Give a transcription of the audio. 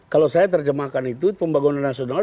kalau saya terjemahkan itu pembangunan nasional